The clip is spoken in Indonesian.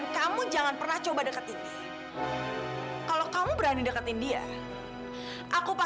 sampai jumpa di video selanjutnya